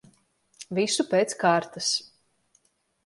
Visu pēc kārtas.